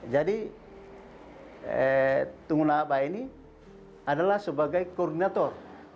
jadi tungguna aba ini adalah sebagai koordinator